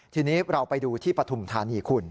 ทีนี้เราไปดูที่ปฐุมธานีคุณ